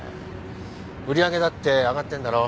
売り上げだって上がってるだろ。